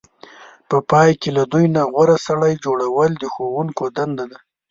په پای کې له دوی نه غوره سړی جوړول د ښوونکو دنده ده.